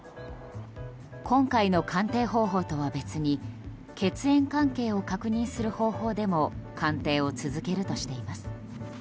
今回の鑑定方法とは別に血縁関係を確認する方法でも鑑定を続けるとしています。